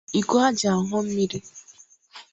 iko e ji añụ mmiri